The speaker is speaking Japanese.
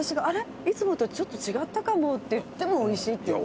いつもとちょっと違ったかも」って言っても「おいしい」って言うんですよ。